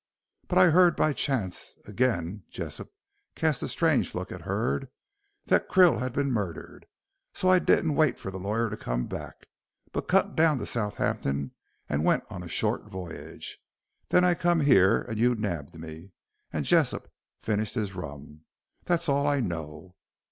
But I heard by chance," again Jessop cast a strange look at Hurd, "that Krill had been murdered, so I didn't wait for the lawyer to come back, but cut down to Southampton and went on a short voyage. Then I come here and you nabbed me," and Jessop finished his rum. "That's all I know."